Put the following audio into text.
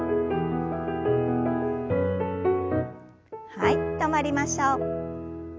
はい止まりましょう。